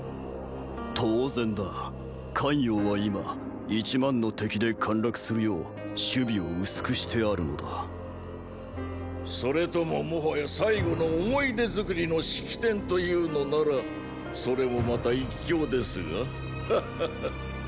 当然だ咸陽は今一万の敵で陥落するよう守備を薄くしてあるのだそれとももはや最後の思い出作りの式典というのならそれもまた一興ですがハッハハ。